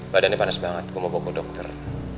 badan dia panas banget gue mau bawa ke dokter